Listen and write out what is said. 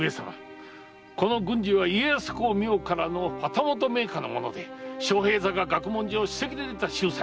この郡司は家康公御代からの旗本名家の者で昌平坂学問所を主席で出た秀才。